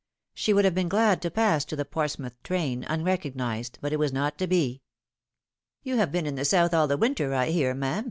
She would have been glad to pass to the Portsmouth train un recognised, but it was not to be. " You have been in the South all the winter, I hear, ma'am.